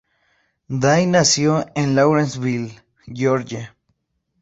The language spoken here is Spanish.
Day nació en Lawrenceville, Georgia.